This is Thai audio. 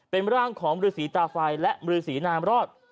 เป็นร่างของฤษีตาไฟและบรือศรีนามรอด